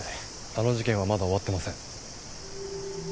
あの事件はまだ終わってません。